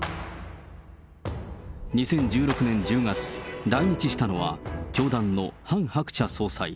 ２０１６年１０月、来日したのは教団のハン・ハクチャ総裁。